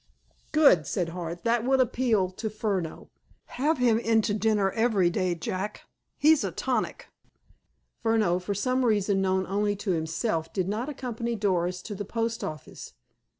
'" "Good!" said Hart. "That will appeal to Furneaux. Have him in to dinner every day, Jack. He's a tonic!" Furneaux, for some reason known only to himself, did not accompany Doris to the post office.